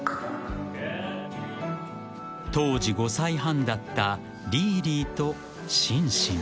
［当時５歳半だったリーリーとシンシン］